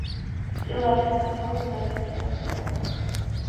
სტილა̈ჲხა̈ნჩუ̄ნ ლა̈ლდღია̈რთე ოღვე.